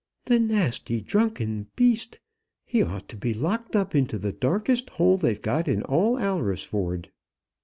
"The nasty drunken beast! he ought to be locked up into the darkest hole they've got in all Alresford."